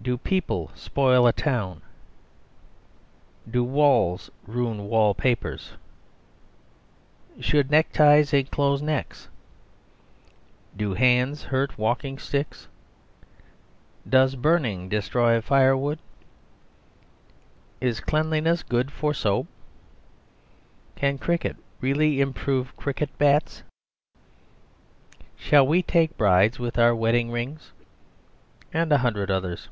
"Do People Spoil a Town?" "Do Walls Ruin Wall papers?" "Should Neckties enclose Necks?" "Do Hands Hurt Walking sticks?" "Does Burning Destroy Firewood?" "Is Cleanliness Good for Soap?" "Can Cricket Really Improve Cricket bats?" "Shall We Take Brides with our Wedding Rings?" and a hundred others.